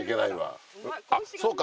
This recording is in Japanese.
あっそうか。